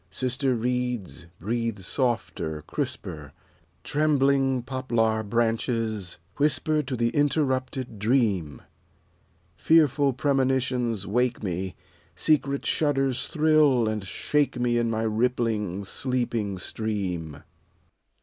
Sister reeds, breathe softer, crisper. Trembling poplar branches, whisper To the interrupted dream! Fearful premonitions wake me, Secret shudders thrill and shake me In my rippUng, sleeping stream.